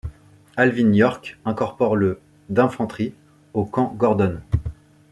Alvin York incorpore le d'infanterie, au Camp Gordon.